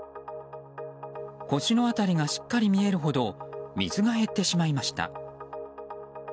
腰の辺りがしっかり見えるほど水が減ってしまいました。